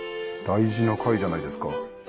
大事な回じゃないですか。